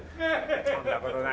そんな事ない。